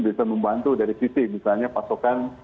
bisa membantu dari sisi misalnya pasokan